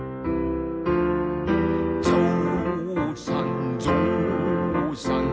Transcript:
「ぞうさんぞうさん」